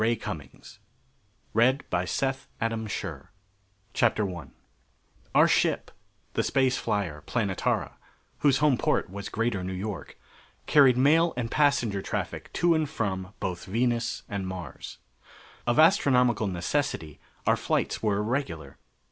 Y. Copyright, 1931, by Ray Cummings I Our ship, the space flyer, Planetara, whose home port was Greater New York, carried mail and passenger traffic to and from both Venus and Mars. Of astronomical necessity, our flights were irregular.